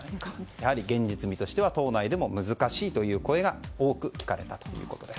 やはり現実味としては党内でも難しいという声が多く聞かれたということです。